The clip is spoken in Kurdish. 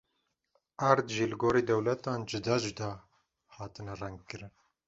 Erd jî li gorî dewletan cuda cuda hatine rengkirin.